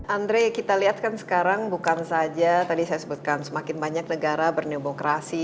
andre kita lihatkan sekarang bukan saja tadi saya sebutkan semakin banyak negara bernemokrasi